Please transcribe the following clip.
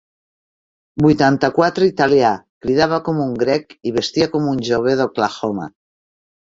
Vuitanta-quatre italià, cridava com un grec i vestia com un jove d'Oklahoma.